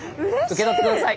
受け取って下さい！